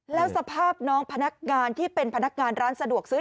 แล้วสภาพน้องพนักงานที่เป็นพนักงานร้านสะดวกซื้อ